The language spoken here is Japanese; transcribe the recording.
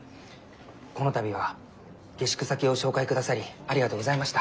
この度は下宿先を紹介くださりありがとうございました。